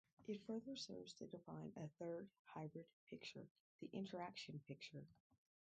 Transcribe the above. It further serves to define a third, hybrid, picture, the Interaction picture.